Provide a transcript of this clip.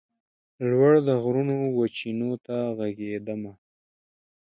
لوړ د غرونو وچېنو ته ږغېدمه